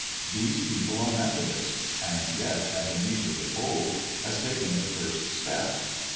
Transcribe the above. These people are Methodists, and yet Ebenezer the Bold has taken the first step.